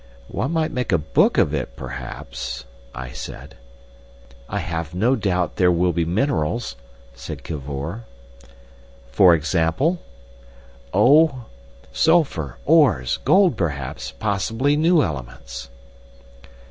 One might make a book of it perhaps," I said. "I have no doubt there will be minerals," said Cavor. "For example?" "Oh! sulphur, ores, gold perhaps, possibly new elements."